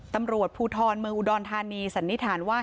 ตำรวจภูทรเมืองอุดรธานีสันนิษฐานว่า